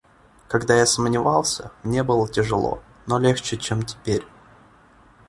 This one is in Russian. Когда я сомневался, мне было тяжело, но легче, чем теперь.